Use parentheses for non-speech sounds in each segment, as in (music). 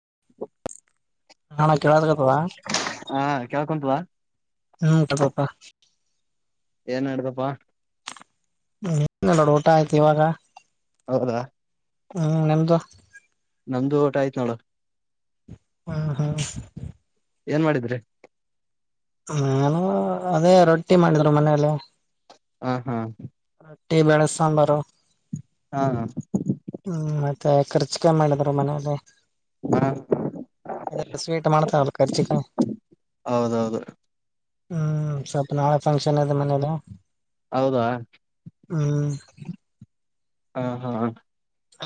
(unintelligible) ನಾಳ ಕೇಳದಕತ್ತದ. (unintelligible) ಹ್ಮ ತಗೋಪ. ಏನ್ ಹೇಳ್ಬೇಪ್ಪಾ? ನೋಡು ಊಟ ಆಯ್ತಿು ಇವಾಗ. ಹೌದ್ರಾ? ಹ್ಮ್ ನಿಮ್ದು? ನಮ್ದು ಊಟ ಆಯ್ತು ನೋಡು. ಹಾ ಹಾ ಏನ್ ಮಾಡಿದ್ರಿ ನಾನು ಅದೇ ರೊಟ್ಟಿ ಮಾಡಿದ್ರು ಮನೇಲಿ ಹ ಹಾ ಮಟ್ಟೆ ಬಳೆ ಸಂಬಾರು ಹಾ ಹಾ ಹ್ಮ್ ಮತ್ತೆ ಖರ್ಚಿಕಾಯ ಮಾಡಿದ್ರು ಮನೇೆಯಲ್ಲಿ ಹ ಅ ಸ್ಟ ಮಾಡ ತಾವಳ ಕರಿಚಿಕ ಹೌದೌದು ಹ್ಮ್ ಸ್ವಲ್ಪ ನಾಳೆ ಫಂಕ್ಷನ್ ಅದೆ ಮನೇಲಿ ಹೌದಾ ಹ್ಮ್ ಹಾ ಹಾ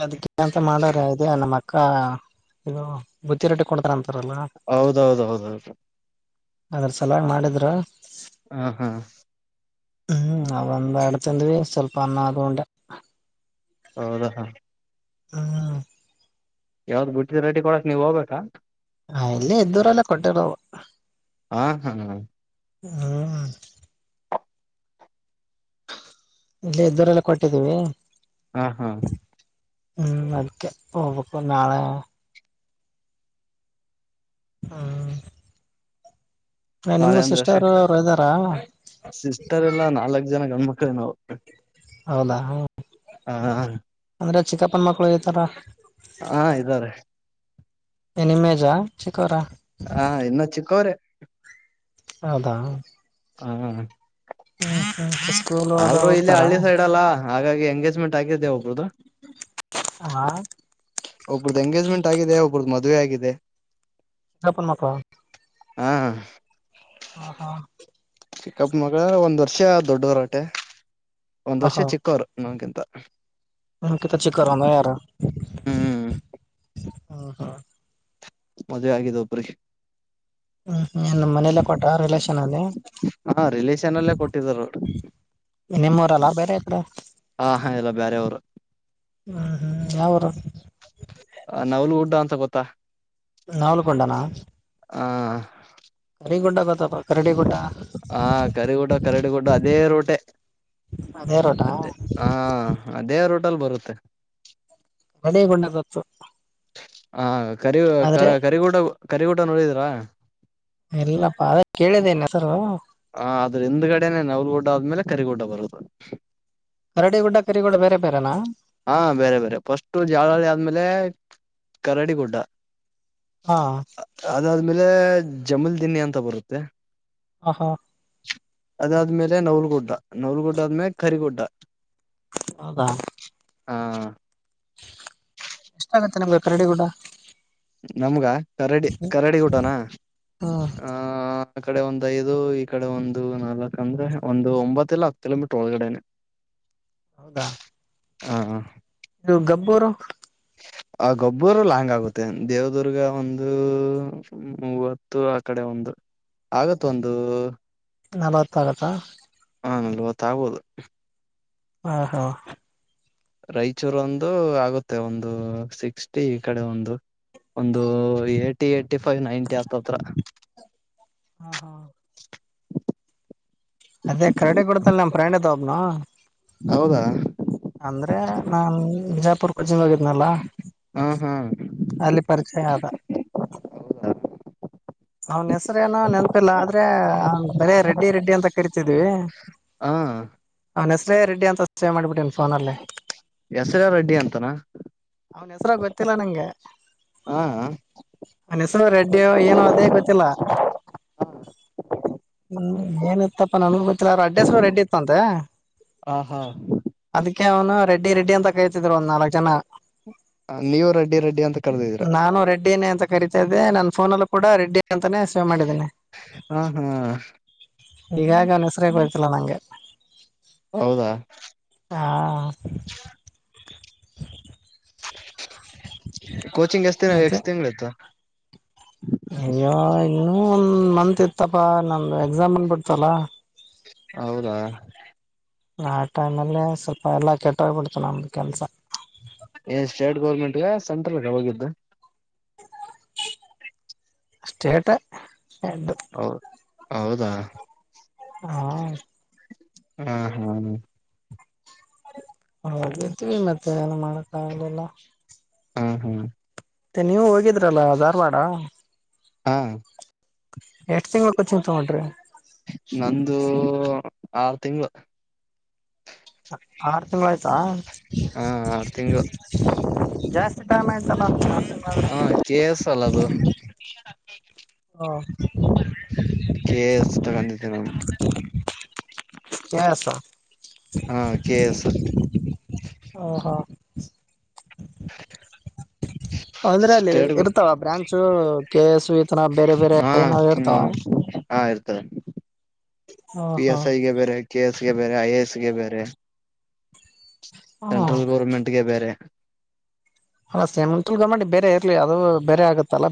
ಅದಕ್ಕೆ ಅಂತ ಮಾಡ್ರ ಅ ನಮ್ಮ ಅಕ್ಕ ಇದು ಬುತ್ತಿ ರೊಟ್ಟಿ ಕೊಡ್ತಾರಂತ ಹೌದ ಅದ್ರ ಸಲಾಗಿ ಮಾಡಿದ್ರ ಹ ಹಾ ಹ್ಮ್ ನಂದ ಬಡ್ತಂದ್ವಿ ಸ್ವಲ್ಪ ಅನ್ನ ಆದಕೊಂಡೆ ಹೌದಾ ಹಾ ಹ್ಮ ಯಾವ್ದ್ ಬಿಟ್ಟಿದ ರೆಡಿ ಕೊಡಕ್ ನೀವ್ ಹೋಗ್ಬೇಕಾ ಹ ಇಲ್ಲೇ ಇದ್ದವರೆಲ್ಲ ಕೊಟ್ಟಿರವು ಹಾ ಹಾ ಹಾ ಹಾ ಇಲ್ಲ ಎ್ದರೆಲ್ಲ ಕೊಟ್ಟಿದ್ದೀವಿ ಹಾ ಹಾ ಹ್ಮ್ ಅದಿಕ ಹಬೇಕಕ ನಾಳೆ ಹಾ ಹ ನಾಳೆ ನಿಮಗ ಅಂದ್ರೆ ಅಷ್ಟೆ ಸಿಸ್ಟರ್ ಅವರು ಇದ್ದಾರಾ ಸಿಸ್ಟರ್ ಎಲ್ಲಾ ನಾಲ್ಕ್ ಜನ ಗಣ್ಮಕ್ಳ ನಾವು ಹೌದಾ ಹ ಹಾ ಅಂದ್ರೆ ಚಿಕ್ಕಪ್ಪನ ಮಕ್ಕಳು ಈತರ ಹಾ ಇದ್ದಾರೆ ನಾಮ ಏಜ್ ಹಾ ಇನ್ನೊ ಚಿಕ್ಕವ್ರೆ ಹೌದಾ ಹ್ಮ ಹ್ಮ ಹ ಆದ್ರೂ ಇಲ್ಲಿ ಹಳ್ಳಿ ಸೈಡ್ ಅಲ್ಲಾ ಹಾಗಾಗಿ ಎಂಗೇಜ್ಮೆಂಟ್ ಆಗಿದ್ದೆ ಒಬರುದು ಹಾ ಒಬ್ರ್ದ ಮದುವೆ ಆಗಿದೆ ಎಪ್ಪನ್ ಮಾತ ಹ್ಮ ಹ ಹಾ ಹಾ ಚಿಕ್ಕಪ್ಪ ಮಗಳ ಒಂದ್ ವರ್ಷ ದೊಡ್ಡವರಟೆ ಒಂದ್ ವರ್ಷ ಚಿಕ್ಕವರು ನಮಗಿಂತ ಹ ಕೆತ್ತ ಚಿಕ್ಕ ಆ ಯಾರ ಹ್ಮ್ ಹ್ಮ ಹಾ ಮದವೆ ಆಗಿದ ಒಬ್ರಿ ಹಾ ನನ್ ಮನೇಲ್ಲೇ ಕೊಟ್ಟ ರಿಲೇಷನ್ ಅಲ್ಲಿ ಹಾ ರಿಲೇಷನ್ ಅಲ್ಲೇ ಕೊಟ್ಟಿದರು ನಿಮ್ಮವ್ರಲ್ಲ ಬೇರೆ ತ್ರ ಹಾ ಹಾ ಎಲ್ಲ ಬೇರೆಯವರು ಹ್ಮ್ ಹ್ಮ್ ಯಾವುರು ನವ್ಲುಗುಡ್ಡ ಅಂತ ಗೊತ್ತಾ ನಾವ್ಲುಕೊಂಡನಾ ಹಾ (unintelligible) ಗುಡ್ಡ ಬತ್ತಪ್ಪ ಕರಡಿ ಗುಡ್ಡ ಹಾ ಕರಿಗೂಡ ಕರಡಿಗುಡ ಅದೇ ರೋಟೆ ಅದೇ ರೋಟಾ ಅದೇ ಹಾ ಅದೇ ರೋಟಲ್ ಬರುತ್ತೆ (unintelligible) ಹಾ (unintelligible) ಆದ್ರೆ ಕರಿಗೂಟ ಕರಿಗೂಟ ನೋಡಿದಿರಾ ಎಲ್ಲಪ್ಪಾ ಅದೆ ಕೇಳಿದಿನ್ ಹೆಸರು ಹ ಆದ್ರ ಹಿಂದ್ಗಡೆನೆ ನೌಲು ಗುಡ್ಡ ಹೊದ್ಮೇಲೆ ಕರಿಗುಡ್ಡ ಬರುದು ಕರಡಿ ಗುಡ್ಡ (unintelligible) ಹಾ ಬೇರೆ ಬೇರೆ ಪಷ್ಟು (unintelligible) ಆದ್ಮೇಲೆ ಕರಾಡಿ ಗುಡ್ಡ ಹಾ (unintelligible) ಆಮೇಲೆ ಜಮೀಲ್ ದಿನ್ನಿ ಅಂತ ಬರುತ್ತೆ ಹ ಹಾ ಅದಾದ್ಮೇಲೆ ನೌಲ್ಗುಡ್ಡ ನೌಲ್ಗುಡ್ಡ ಆದ್ಮೇಲೆ ಕರಿಗುಡ್ಡ ಹೌದಾ ಹಾ ಎಷ್ಟಾಗುತ್ತೆ ನಮ್ಗೆ ಕರಡಿ ಗುಡ್ಡ ನಮ್ಗ ಕರಡಿ ಕರಡಿ ಗುಡ್ಡನಾ ಹ್ಮ್ ಆ ಆ ಕಡೆ ಒಂದ್ ಐದು ಈ ಕಡೆ ಒಂದು ನಾಲ್ಕ ಅಂದ್ರೆ ಒಂದು ಒಂಬತ್ತ ಇಲ್ಲಾ ಹತ್ತು ಕಿಲೋಮೀಟರ್ ಒಳಗಡೆನೆ (inaudible) ಹೌದಾ ಹ ಹಾ ಗಬ್ಬುರು ಆ ಗಬ್ಬುರು ಲಾಂಗ್ ಆಗುತ್ತೆ ದೇವ್ದುರ್ಗ ಒಂದು ಮೂವತ್ತು ಆ ಕಡೆ ಒಂದು ಆಗತ್ ಒಂದು ನಲ್ವತ್ತಾಗುತ್ತ ಹ ನಲ್ವತ್ತ ಆಗ್ಬೊದು ಹಾ ಹಾ ರಾಯಚೂರ ಒಂದು ಆಗುತ್ತೆ ಒಂದು ಸಿಕ್ಸ್ಟಿ ಈ ಕಡೆ ಒಂದು ಒಂದು ಏಟಿ ಏಟಿಫೈವ್ ನೈನ್ಟಿ ಅತ್ತತ್ರ ಹಾ ಹಾ ಅದೇ ಕರಡಿ ಗುಡ್ಡದಲ್ಲಿ (unintelligible) ಹೌದಾ ಅಂದ್ರೆ ನಾನ್ ಬಿಜಾಪುರ್ ಕೊಚಿಗ್ ಹೋಗಿದ್ನಲ್ಲ ಹ ಹಾ ಅಲ್ಲಿ ಪರಿಚಯ ಆದ ಅವ್ನ್ ಹೆಸರೆನೊ ನೆನಪಿಲ್ಲ ಆದ್ರೆ ಬರೆ ರೆಡ್ಡಿ ರೆಡ್ಡಿ ಅಂತ ಕರಿತಿದ್ವಿ ಹ ಅನ್ವ್ ಹೆಸ್ರೇ ರೆಡ್ಡಿ ಅಂತ ಸೇವ್ ಮಾಡ್ಬಿಟ್ಟಿನ್ ಫೋನ್ ಅಲ್ಲಿ ಹೆಸರೆ ರೆಡ್ಡಿ ಅಂತನಾ (unintelligible) ಗೊತ್ತಿಲ್ಲ ನಂಗೆ (unintelligible) ಹಾ ಹೆಸರು ರೆಡ್ಡಿ ಏನೋ ಅದೇ (unintelligible) ಹ್ಮ್ ಏನಿತ್ತಪ್ಪ ನನ್ಗ ಗೊತ್ತಿಲ್ಲ ಅವ ಅಡ್ರೆಸ್ ರೆಡಿ ಇತ್ತ್ ಅಂತೆ ಹ ಹಾ ಅದಕ್ಕೆ ಅವ್ನಾ ರೆಡ್ಡಿ ರೆಡ್ಡಿ ಅಂತ ಕೇರಿತಿದ್ರು ಒಂದ ನಾಲಕ್ ಜನ ನೀವು ರೆಡ್ಡಿ ರೆಡ್ಡಿ ಅಂತ ಕರೆದಿದೀರ ನಾನು ರೆಡ್ಡನೇ ಅಂತ ಕರಿತಾ ಇದ್ದೆ ನನ್ನ ಪೊನಲ್ಲೂ ಕೂಡ ರೆಡ್ಡಿ (unintelligible) ಅಂತಾನೇ ಸೇವ್ ಮಾಡಿದ್ದೀನಿ ಹಾ ಹಾ (unintelligible) ಅವ್ನ್ ಹೆಸ್ರೆ ಗೊತ್ತಿಲ್ಲ ನಂಗೆ ಹೌದಾ ಹಾ ಹ ಕೋಚಿಂಗ್ ಎಷ್ಟ ದಿನ ಮತ್ತೆ ಎಷ್ಟ ತಿಂಗಳ ಇತ್ತು ಅಯ್ಯೋ ಇನ್ನುೂ ಒಂದ್ ಮಂತ್ ಇತ್ತಪ್ಪ ನಂದು ಎಕ್ಸಾಮ್ ಬಂದಬಿಡ್ತಲ್ಲ. ಹೌದಾ ಆ ಟೈಮ್ಲ್ಲೇ ಸ್ವಲ್ಪ ಎಲ್ಲಾ ಕೆಟ್ಟೋಗ್ಬಿಡ್ತನ ನಮ್ದು ಕೆಲ್ಸ ಏ ಸ್ಟೇಟ್ ಗೌರ್ಮೆಂಟ್ಗ ಸೆಂಟ್ರಲ್ಗ ಹೋಗಿದ್ದು ಸ್ಟೇಟ್ ಎಡ್ಡು ಹೌದ ಹೌದಾ ಹಾ ಹ್ಮ್ ಹ್ಮ್ ಹೋಗತಿವಿ ಮತ್ತೆ ಏನು ಮಾಡಕ್ಕ ಆಗಲಿಲ್ಲ. ಹಾ ಹಾ ನೀವು ಹೋಗಿದ್ರಲ್ಲ ಧಾರವಾಡ ಹಾ ಎಷ್ಟ್ ತಿಂಗಳ ಹೊಕ್ಕತಿ ಅಂತ ಮಾಡಿರಿ ನಂದು ಆರು ತಿಂಗಳು ಆರು ತಿಂಗಳ ಆಯ್ತಾ ಹಾ ಆರು ತಿಂಗಳು ಜಾಸ್ತಿ ಜಾಸ್ತಿ ಟೈಮ್ ಆಯ್ತ್ ಅಲಾ ಹಾ ಜೆ ಎಸ್ ಅಲ್ಲ ಅದು ಹ ಕೆ ಎಸ್ ತಗೋಂದಿದ ಎಸ್ ಹಾ ಕೆ ಎಸ್ ಹ (inaudible) (inaudible) ಅಂದ್ರೆ ಅಲ್ಲಿ ಸ್ಟೇಟ್ ಇರ್ತಾಳ ಬ್ರಾಂಚು ಕೆ ಎಸ್ ಇ ನ ಬೇರೆ ಬೇರೆ ಹಾ ಏನ್ ಹೇರತಾಳ ಹಾ ಇರ್ತದೆ ಪಿ ಹಾ ಎಸ್ ಐಗೆ ಬೇರೆ ಕೆ ಎಸ್ಗೆ ಬೇ ಬೇರೆ ಐ ಎ ಎಸ್ ಗೆ ಬೇರೆ ಹ್ಮ ಸೆಂಟ್ರಲ್ ಗೋರ್ಮೆಂಟ ಗೆ ಬೇರೆ ಅಲ್ಲ ಸೆಮಂತುಲ್ಗ ಮಾಡಿ ಬೇರೆ ಇರ್ಲಿ ಅದು ಬೇರೆ ಆಗತ್ತಲ್ಲಾ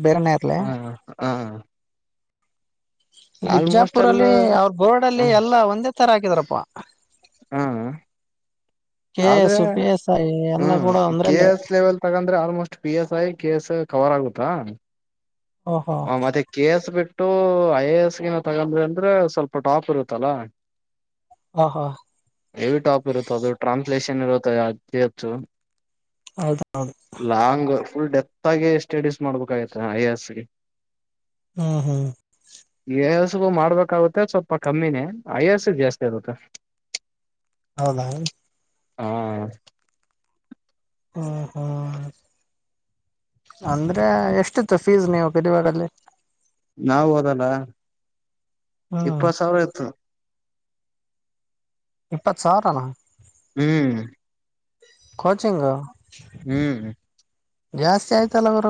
ಹಾ ಹಾ ಇಲ್ಲಿ ಅಲ್ ಬಿಜಾಪುರಲ್ಲಿ ಅವ್ರ ಬೊರ್ಡ ಅಲ್ಲಿ ಎಲ್ಲಾ ಒಂದೇ ತರ ಹಾಕಿದಾರಪ್ಪ ಹ್ಮ ಕೆಎಎಸ್ ಪಿಎಸ್ಐ ಹ್ಮ ಕೆಎ ಎಸ್ ಲೆವೆಲ್ ತಗೊಂಡ್ರೆ almost P S I ಕೆಸ್ cover ಆಗುತ್ತಾ ಓಹೋ ಮತ್ತೆ ಕೆ ಎಸ್ ಬಿಟ್ಟ ಇ ಐ ಎ ಎಸ್ ಗಿನ ತಗೊಂಡ್ರೆ ಅಂದ್ರೆ ಸ್ವಲ್ಪ ಟಾಪ್ ಇರುತ್ತಲ್ಲ. ಓಹೋ ಹೆವಿ ಟಾಪ್ ಇರುತ್ತ ಅದು ಟ್ರಾನ್ಸ್ಲೇಷನ್ ಇರುತ್ತೆ ಫಿ ಎಚ್ ಹೌದಾ ಲಾಂಗ್ ಫುಲ್ ಡೆಪ್ತ್ ಆಗಿ ಸ್ಟಡೀಸ್ ಮಾಡ್ಬೇಕಾಗಿತ ಐ ಎಸ್ಗೆ. ಹ್ಮ್ ಹ್ಮ್ ಎಐ ಎಸ್ ಗೂ ಮಾಡ್ಬೇಕಾಗುತ್ತೆ ಸ್ವಲ್ಪ ಕಮ್ಮಿನೇ ಐ ಎ ಎಸ್ ಗ ಜಾಸ್ತಿ ಆಗತ್ತೆ ಹೌದಾ ಹಾ ಹ ಹಾ ಅಂದ್ರೆ ಎಷ್ಟಿತ್ತು ಫೀಸ್ ನೀವು ಬಿದವಾರಗಲ್ಲಿ ನಾವು ಹೋದಲ್ಲ ಹ್ಮ್ ಇಪ್ಪತ್ ಸಾವಿರ ಇತ್ತು ಇಪ್ಪತ್ ಸಾವಿರನಾ ಹ್ಮ್ ಕೋಚಿಂಗ್ ಹ್ಮ್ ಜಾಸ್ತಿ ಆಯ್ತಲ್ಲ ಬರ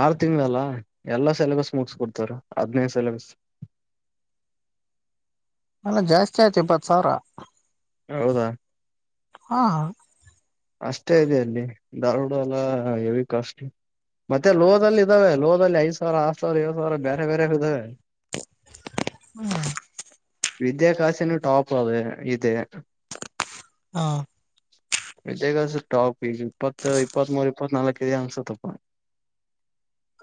ಆರ್ ತಿಂಗಗಳಲ್ಲ ಎಲ್ಲಾ ಸಿಲೆಬಸ್ ಮುಗಸ್ಕೊಡ್ತಾರ ಹದ್ನದು ಸಿಲೆಬಸ್ (inaudible) ಅಲ್ಲ ಜಾಸ್ತಿ ಆಯ್ತು ಇಪ್ಪತ್ತು ಸಾವಿರ ಹೌದಾ ಹಾ ದಾರುಡ ಅಲ್ಲ ಹೆವಿ ಕಾಸ್ಟ್ ಮತ್ತೆ ಲೋಹದಲ್ಲಿ ಇದ್ದಾವೆ ಲೋದಲ್ಲಿ ಐದ ಸಾವಿರ ಆರ್ ಸಾವರ ಏು ಸಾವಿರ ಬೇರೆ ಬೇರೆ ಇದಾವೆ ಹ್ಮ ವಿದ್ಯಾಕಾಸನುೂ ಟಾಪ್ ಅದು ಇದೆ ಹಾ ಇದಗ ಟಾಪ್ ಈ ಇಪ್ಪತ್ತು ಇಪ್ಪತ್ತ್ ಮೂೂರ್ ಇಪ್ಪತ್ತ್ನಾಾಲ್ಕ ಅಂಗಸತ್ಪ್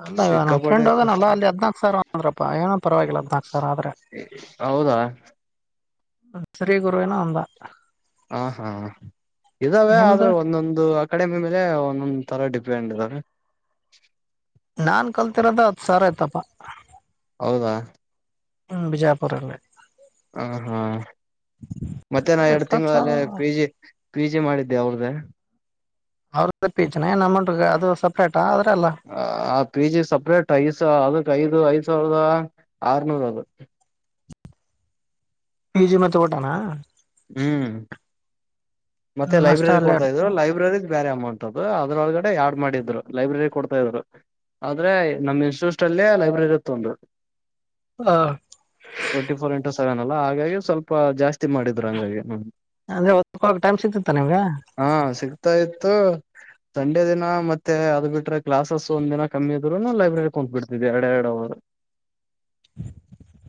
ಅಲ್ಲ ಇವ ನ ಫ್ರಂಡ್ ಹೋಗೋ ನ ಅಲ್ಲ ಅಲ್ಲಿ ಹದ್ನಾಕಕ್ ಸಾವಿರ ಅಂದ್ರಪ್ಪ ಏನ ಪರವಾಗಿಲ್ಲ ಹದ್ನಾಕ್ ಸಾವಿರ ಆದ್ರೆ ಹೌದಾ ಸರಿಯ ಗರುವವೆನ ಒಂದಾ ಹ ಹಾ ಇದಾವೆ ನಿಮ್ದು ಆದ್ರೆ ಒಂದೊಂದು ಕಡಿಮೆ ಮೇಲೆ ಒಂದೊಂದ್ ತರ ಡಿಪೆಂಡ್ ಇದ್ರ ನಾನ್ ಕಲ್ತಿರೋದ ಹತ್ ಸಾರ ಆಯ್ತಪಾ ಹೌದಾ ಹ್ಮ್ ಬಿಜಾಪುರ್ ಅಲ್ಲ ಹ ಹಾ ಮತ್ತೆ ನಾ ಅವ್ರ ಎರಡ್ ಇಪ್ಪತ್ ತಿಂಗಳಲ್ಲ ಸಾವಿರ ಪಿ ಜಿ ಪಿ ಜಿ ಮಾಡಿದ್ದೆ ಅವ್ರ್ದ ಅವ್ರ ಪೇಚ ಆ ಪಿಜಿ ಸಪ್ರೇಟ್ ಐಸ ಅದಕ್ ಐದು ಐದು ಎ ಸಾವಿರದ ಆರ್ನೂರ ಅವತ್ತು ಈಜಿ ಮ ತ ಓಟಣ ಹ್ಮ್ ಮತ್ತೆ ಹ್ಮ್ ಅಷ್ಟ ಲೈಬ್ರರಿ ಅಲ್ಲೇ ಕೊಡ್ತಾ ಇಡ್ತ ಇದ್ರು ಲೈಬ್ರರಿ ಬೇರೆ ಅಮೌಂಟ್ ಅದು ಅದ್ರೊಳಗಡೆ ಯಡ್ ಮಾಡಿದ್ರು ಲೈಬ್ರರಿ ಕೊಡ್ತಾ ಇದ್ರು ಆದ್ರೆ ನಮ್ ಇನ್ಸ್ಟಿಟ್ಯೂಟ್ ಅಲ್ಲಿ ಲೈಬ್ರರಿ ಇರುತ್ತ ಉಂದುು ಟ್ವೆಂಟಿ ಫೋರ್ ಇಂಟು ಸೆವೆನ್ ಅಲ್ಲಾ ಹಾಗಾಗಿ ಸ್ವಲ್ಪ ಜಾಸ್ತಿ ಮಾಡಿದ್ರು ಹಂಗಾಗಿ ಹ ಅ್ರ ಹಾ ಸಿಗ್ತಾ ಇತ್ತು ಸಂಡೆ ದಿನ ಮತ್ತೆ ಅದ್ ಬಿಟ್ರೆ ಕ್ಲಾಸಸ್ ಒಂದ್ ದಿನ ಕಮ್ಮಿ ಇದ್ರು ಲೈಬ್ರರಿ ಕುತ್ ಬಿಡ್ತಿದ್ ಎರಡೆ ಎರಡು ಹೌ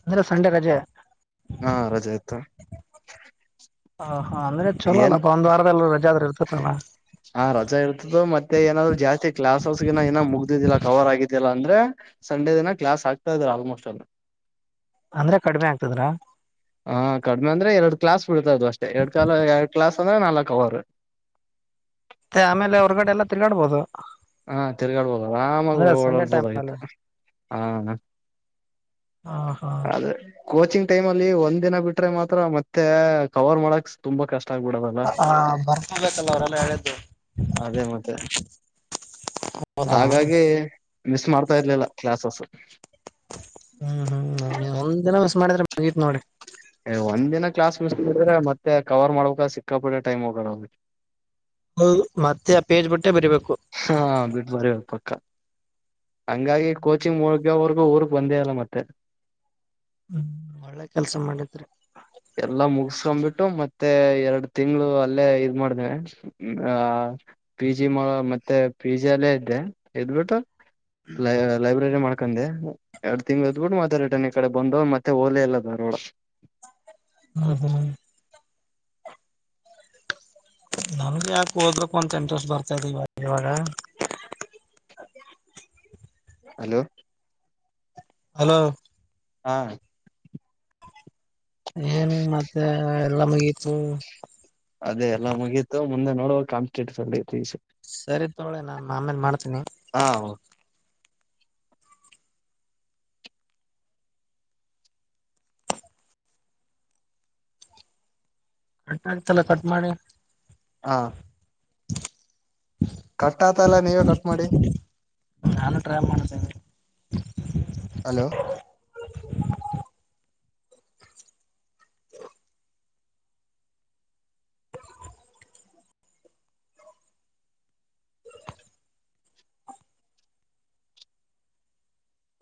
ಅಂದಲ್ಲ ಸಂಡೆ ರಜೆ ಹಾ ರಜೆ ಆಯ್ತು ಅಂದೆ ಚಲೋಲ್ಲಾ ಒಂದ ವಾರದಲ್ಲಿ ರಜಾದ್ರ ಇರ್ತ ಹಾ ರಜಾ ಇರ್ತದು ಮತ್ತೆ ಏನಾದ್ರು ಜಾಸ್ತಿ ಕ್ಲಾಸ್ ಹೌಸ್ಗೆ ಏನ ಮುಗ್ದಿದ್ದಿಲ್ಲ ಕವರ್ ಆಗಿದ್ಯಲ್ಲ ಅಂದ್ರೆ ಸಂಡೆ ದಿನ ಕ್ಲಾಸ್ ಆಕ್ತಾ ಇದಾರೆ ಆಲ್ಮೋಸ್ಟ್ ಅಲ್ಲಿ ಅಂದ್ರೆ ಕಡಿಮೆ ಆಗ್ತದ್ರಾ ಹಾ ಕಡಿಮೆ ಅಂದ್ರೆ ಎರಡ್ ಕ್ಲಾಸ್ ಬಿಡ್ತ ಅದು ಅಷ್ಟ ಎರಡ್ ಕಾಲ ಎರಡ್ ಕ್ಲಾಸ್ ದ ನಲ್ಲಾ ಕ ಅವಾರ ಮತ್ತೆ ಆಮೇಲೆ ಹೊರ್ಗಡೆ ಎಲ್ಲಾ ತಿರ್ಗಾಡ್ಬೋದು ಹಾ ತಿರ್ಗಾಳ್ಬೋದು ಆರಾಮಾಗಿ ಅಂದ್ರೆ ಸಂಡೆ ಓಡಲ್ಬೋದ ಟೈಮ್ ಆಯ್ತ ಅಲ್ಲಿ ಹಾ ಹ ಹಾ ಕೋಚಿಂಗ್ ಟೈಮ ಅಲ್ಲಿ ಒಂದ್ ದಿನ ಬಿಟ್ರೆ ಮಾತ್ರ ಮತ್ತೆ ಕವರ್ ಮಾಡಕ್ ತುಂಬಾ ಕಷ್ಟ ಇಷ್ಟಬಿಡದಲ್ಲ ಬರ್ಕೋಬೇಕಲ್ಲ ಅವರೆಲ್ಲ ಹೇಳಿದ್ದು ಅದೇ ಮತ್ತೆ ಹೌದಾ ಹಾಗಾಗಿ ಮಿಸ್ ಮಾಡ್ತಾರ್ಲಿಲ್ಲ ಕ್ಲಾಸಸ್ ಹ್ಮ್ ಹ್ಮ್ ಒಂದು ದಿನ ಮಿಸ್ ಮಾಡಿದ್ರ ಮುಗತ್ ನೋಡಿ ಒಂದ್ ದಿನ ಕ್ಲಾಸ್ ಮಿಸ್ ಮಾಡಿದ್ರೆ ಮತ್ತೆ ಕವರ್ ಮಾಡ್ಬೇಕ ಸಿಕ್ಕಾ ಬಿ್ರೆ ಟೈಮ್ ಹೋಗೋಣ ಅವಿಗೆ ಅವು ಮತ್ತೆ ಪೇಜ್ ಬಿಟ್ಟ ಹಾ ಬಿಟ್ಟ ಬರಬೇಕು ಕ----ಹಂಗಾಗಿ ಕೋಚಿಂಗ್ ಮುಳಗ್ಯವರ್ಗೂ ಊರ್ಕ್ ಬಂದೇ ಅಲ್ಲ ಮತ್ತೆ ಹ್ಮ್ ಒಳ್ಳೆ ಕೆಲ್ಸ ಮಾಡಿದ್ರರಿ (inaudible) ಎಲ್ಲಾ ಮುಗಸ್ಕೊಂಡ್ಬಿಟ್ಟು ಮತ್ತೆ ಎರಡು ತಿಂಗಳು ಅಲ್ಲೇ ಇದ ಮಾಡ್ದೇವೆ ಹಾ ಪಿ ಜಿ ಮಾಡ ಮತ್ತೆ ಪಿ ಜಿ ಅಲ್ಲೇ ಇದ್ದೆ ಇದದ್ಬಿಟ್ಟು ಲ ಲೈಬ್ರರಿ ಮಾಡಕ ಹಾಕಂದೆ ಎರಡ್ ತಿಂಗ್ ಇದದ್ಬಿಟ್ಟು ಮಾತಾಡಿಟ್ಟನ್ ಈ ಕಡೆ ಬಂದೋ ಮತ್ತೆ ಓಲೆ ಎಲ್ಲ ದಾರವಾಡ ಹ್ಮ ಹ್ಮ ನನ್ಗೆ ಯಾಕೆ ಹೋದ್ರಕ್ ಒಂತ ಇಂಟ್ರೆಸ್ಟ್ ಬರ್ತಾದೆ ಇವಾಗ ಇವಾಗ ಹಲೋ ಹಲೋ ಹಾ ಏನ್ ಮತ್ತೆ ಎಲ್ಲ ಮಗತು ಅದೇ ಎಲ್ಲ ಮುಗೀತು ಮುಂದೆ ನೋಡುವ ಕಮ್ಟೆಟೀವ್ ಪಿಯುಸಿ ಸರಿ ತೊಳೆ ನಾ ಆಮೇಲೆ ಮಾಡ್ತೀನಿ ಹ ಕಟ್ ಆಗ್ತಲ್ಲ ಕಟ್ ಮಾಡಿ ಹಾ ಕಟ್ ಆತಲ್ಲ ನೀವೇ ಕಟ್ ಮಾಡಿ ನಾನು ಟ್ರೈ ಮಾಡತೇನೆ (unintelligible) ಹಲೋ (inaudible)